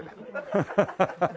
ハハハハ。